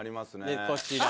でこちら。